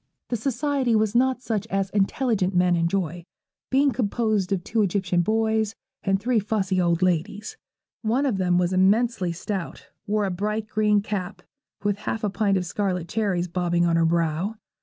The society was not such as intelligent men enjoy, being composed of two Egyptian boys and three fussy old ladies. One of them was immensely stout, wore a bright green cap, with half a pint of scarlet cherries bobbing on her brow.